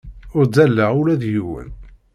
Ur ddaleɣ ula d yiwen.